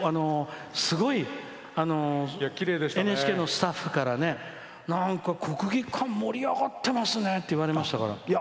すごいＮＨＫのスタッフからねなんか、国技館盛り上がってますね！って言われましたからね。